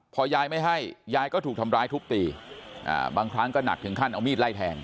พอยายไม่ให้ยายก็ถูกทำร้ายทุบตีบางครั้งก็หนักถึงขั้นเอามีดไล่แทง